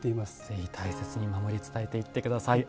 ぜひ大切に守り伝えていって下さい。